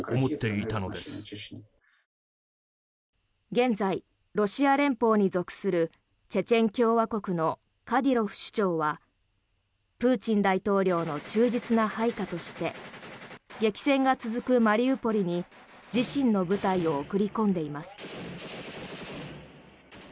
現在、ロシア連邦に属するチェチェン共和国のカディロフ首長はプーチン大統領の忠実な配下として激戦が続くマリウポリに自身の部隊を送り込んでいます。